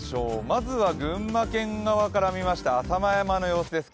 まずは群馬県側から見ました浅間山の様子です。